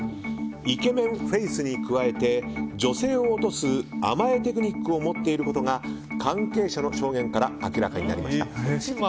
イケメンフェースに加えて女性を落とす甘えテクニックを持っていることが関係者の証言から明らかになりました。